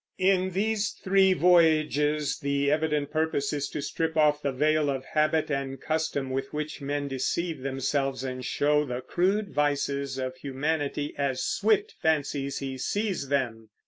In these three voyages the evident purpose is to strip off the veil of habit and custom, with which men deceive themselves, and show the crude vices of humanity as Swift fancies he sees them.